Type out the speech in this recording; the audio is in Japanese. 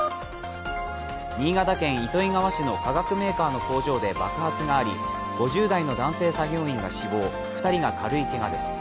新潟県糸魚川市の化学メーカーの工場で爆発があり、５０代の男性作業員が死亡、２人が軽いけがです。